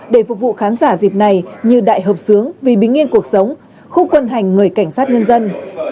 để phục vụ khán giả dịp này như đại hợp sướng vì bình yên cuộc sống khu quân hành người cảnh sát nhân dân